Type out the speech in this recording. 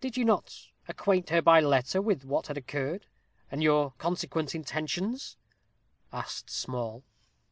"Did you not acquaint her by letter with what had occurred, and your consequent intentions?" asked Small.